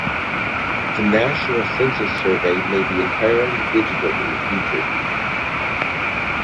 The national census survey may be entirely digital in the future.